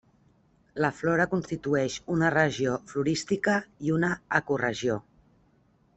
La flora constitueix una regió florística i una ecoregió.